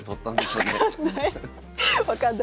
分かんない。